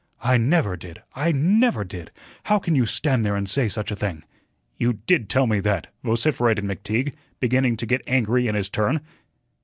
"I NEVER did. I NEVER did. How can you stand there and say such a thing?" "You did tell me that," vociferated McTeague, beginning to get angry in his turn.